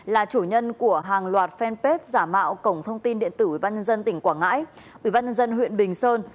là chủ nhân của hàng loạt fanpage giả mạo cổng thông tin điện tử ubnd tỉnh quảng ngãi ubnd huyện bình sơn